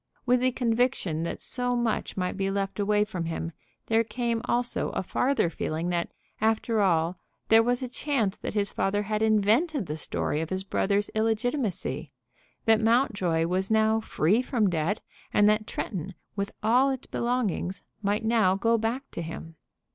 With the conviction that so much might be left away from him, there came also a farther feeling that, after all, there was a chance that his father had invented the story of his brother's illegitimacy, that Mountjoy was now free from debt, and that Tretton, with all its belongings, might now go back to him.